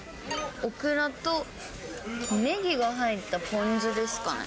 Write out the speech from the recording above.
オクラとネギが入ったポン酢ですかね。